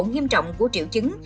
nghiêm trọng của triệu chứng